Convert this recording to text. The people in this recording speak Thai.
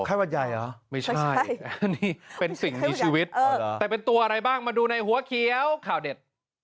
วัดใหญ่เหรอไม่ใช่อันนี้เป็นสิ่งมีชีวิตแต่เป็นตัวอะไรบ้างมาดูในหัวเขียวข่าวเด็ด